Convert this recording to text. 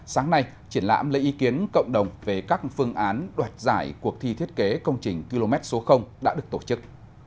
sáng nay triển lãm lấy ý kiến cộng đồng về các phương án đoạt giải cuộc thi thiết kế công trình km số đã được tổ chức